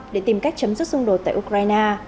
để tìm cách chấm dứt xung đột tại ukraine